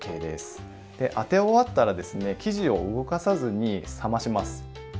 で当て終わったら生地を動かさずに冷まします。